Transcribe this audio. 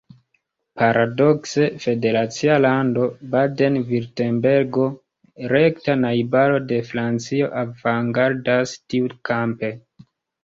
Paradokse, federacia lando Baden-Virtembergo, rekta najbaro de Francio, avangardas tiukampe.